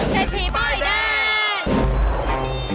เศรษฐีป้ายแดง